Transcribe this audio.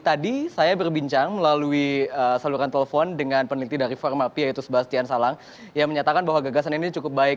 tadi saya berbincang melalui saluran telepon dengan peneliti dari formapi yaitu sebastian salang yang menyatakan bahwa gagasan ini cukup baik